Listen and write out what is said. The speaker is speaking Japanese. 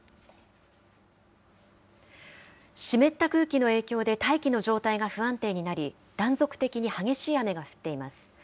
湿った空気の影響で、大気の状態が不安定になり、断続的に激しい雨が降っています。